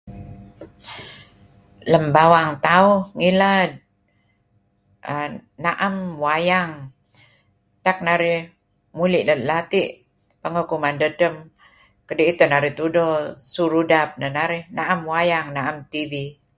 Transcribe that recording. Lem bawang tauh ngilad err na'em wayang. Utak narih muli' ket lati' pengeh kuman dedtem, kedi'it teh narih tudo su rudap neh narih. Na'em wayang, na'em tv.